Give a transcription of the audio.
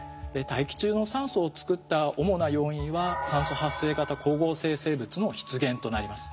大気中の酸素を作った主な要因は酸素発生型光合成生物の出現となります。